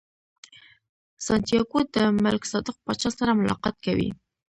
سانتیاګو د ملک صادق پاچا سره ملاقات کوي.